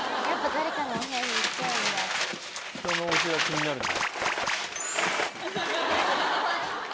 人のお部屋気になるんだ。